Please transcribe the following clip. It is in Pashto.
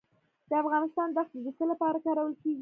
د افغانستان دښتې د څه لپاره کارول کیږي؟